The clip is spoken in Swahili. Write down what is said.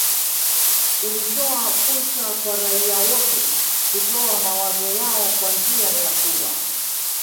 Ulitoa fursa kwa raia wote kutoa mawazo yao kwa njia ya kura